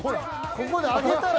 ［ここで上げたら］